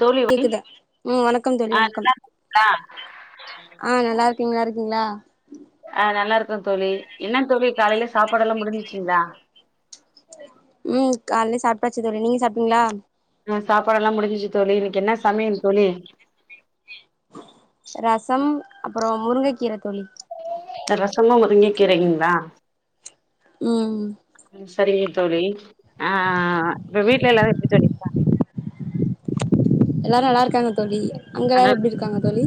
தோழி வை கேக்குத உம் வணக்கம் தோழி ஆ வணக்கம் நல்லா இருக்கீங்களா ஆஹ் நல்லா இருக்க நீங் ங்களா ஆஹ் நல்லா இருக்கும் தோழி என்ன தோழி காலையில சாப்பாடுல்லாம் முடிஞ்சிச்சுங்களா ப்பச்சிது நீங்க சாப்டிங்களா ஆஹ் சாப்பாடெலாம் முடிஞ்சு தோழி இன்னைக்கு என்ன சமையல் தோழி ரசம் அப்புறம் முருங்கை கீரை தோழி ரசமு முருங்க கீறயுங்களா உம் சரிங்க தோழி ஆஹ் இப்ப வீட்டுல எல்லாரும் எப்படி தோழி இருக்காங் எல்லாரும் நல்லா இருக்காங்க தோழி அங்க எல்லாரு எப்டி நல்லாருஹ் இருக்காங்க தோழி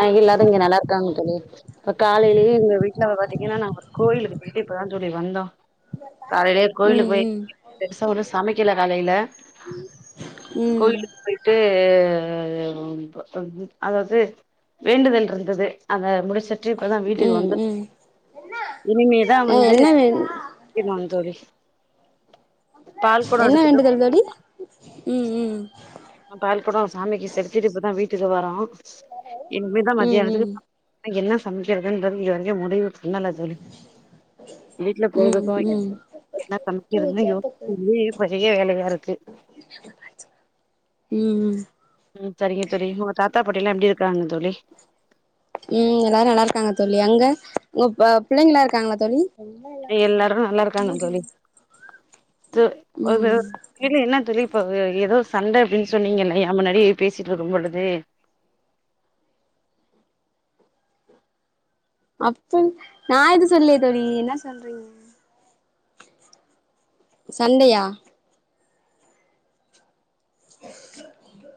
நாங்க எல்லாரு இங்க நல்லாருக் க்காங்கலே இப்ப காலையிலேயே எங்க வீட்டு்ல பாத்தீங்கன்னா நாங்க ஒரு கோயிலுக்கு பேயிட்டு இப்பதான் தோழி வந்தோம் காலையிலயே கோயிலுக்கு ம் போயி ம் பெரிச ஒன்னும் சமைக்கல காலையில ம் கேயிலுக்கு போய்ட்டு ஆ அ வும் அதாவது வேண்டுதல் இருந்தது அத முடிச்சிட்டு இப்பதான் வீட்டுக்கு ம் வந்தோ ம் இனிமே அதான் ஆ வந்து என்ன வே ழிமா தோழி பால் கொடோ என்ன எடுத்துட்டு வேண்டுதல் வேடி ம் ம் பால்குடம் சாமிக்கு செஞ்துட்டு இப்பதான் வீட்டுக்கு வரொம் இனிமேதான் ம் ம் மதியானதுக்கு என்ன சமைக்கிறதுன்ற [unintelligible] சொன்னல தோழி வீட்டுல ம் ம் போலுதுக்கு ம் என்ன சமைக்கிறதுன்னு யோசிகிலயோ பேரிய வேலையா இருக்கு ம் உம் சரிங்க சரிங்க தத்தா தாத்தா பாட்டி எல்லாம் எப்படி இருக்காங்க தோழி உம் எல்லாரும் நல்லா இருக்காங்க தோழி அங்க உ பிள்ளைங்க எல்லாம் இருக்காங்களா தோழி எல்லாரும் நல்லா இருக்காங்க தோழி து ம் எ என்ன தோழி இப்ப ஏதோ சண்ட அப்படின்னு சொன்னீங்கல்ல ஏன் முன்னாடி பேசிட்டு இருக்கும் பொழுது அப்ப நான் எது சொல்லே தோழி என்ன சொல்றீங்க சண்டையா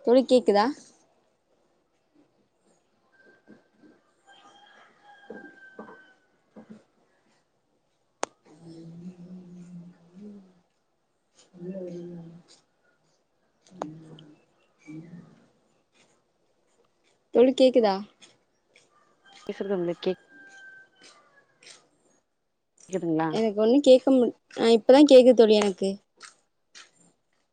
தோழி கேக்குதா [unintelligible] [unintelligible] தொழி கேக்குதா சொல்றோம்ல கேக் கேக்குதுங்களா எனக்கு ஒண்ணும் கேட்க மாட் இப்பதான் கேக்குது தோழி எனக்கு கே